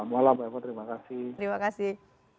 selamat malam terima kasih